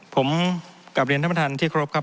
ผมกลับเรียนท่านประธานที่ครบครับ